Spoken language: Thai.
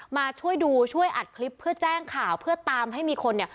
มาช่วยดูช่วยอัดคลิปเพื่อแจ้งข่าวเพื่อตามให้มีคนเนี่ย